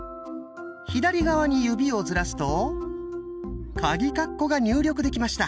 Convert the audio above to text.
左側に指をずらすとカギカッコが入力できました。